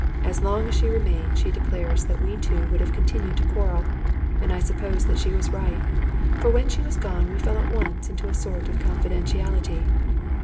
As long as she remained, she declares that we two would have con tinued to quarrel ; and I suppose that she was right, for when she was gone we fell at once into a sort of confidentiality.